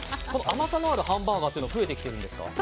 甘さのあるハンバーガーというのは増えてきているんですか？